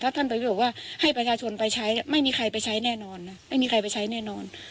ถ้าท่านบอกว่าให้ประชาชนไปใช้ไม่มีใครไปใช้แน่นอน